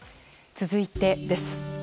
続いてです。